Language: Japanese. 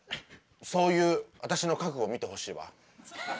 そういう私の覚悟を見てほしいわ。